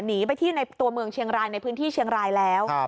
หนีไปที่ในตัวเมืองเชียงรายในพื้นที่เชียงรายแล้ว